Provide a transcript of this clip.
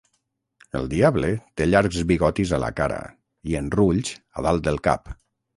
El diable té llargs bigotis a la cara i en rulls a dalt del cap.